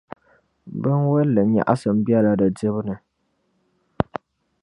Binwalli nyaɣisim bela di dibu ni.